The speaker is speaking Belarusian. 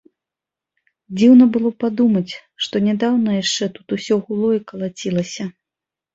Дзіўна было падумаць, што нядаўна яшчэ тут усё гуло і калацілася.